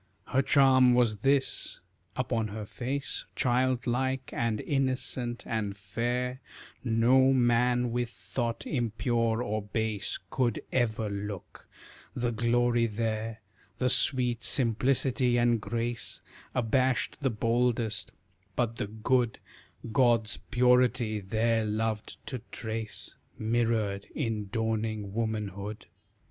Her charm was this upon her face Childlike and innocent and fair, No man with thought impure or base Could ever look; the glory there, The sweet simplicity and grace, Abashed the boldest; but the good God's purity there loved to trace, Mirrored in dawning womanhood.